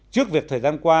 trước việc thời gian qua